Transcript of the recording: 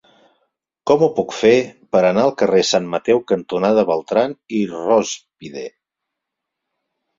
Com ho puc fer per anar al carrer Sant Mateu cantonada Beltrán i Rózpide?